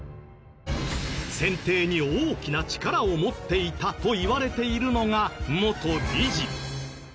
選定に大きな力を持っていたといわれているのが元理事。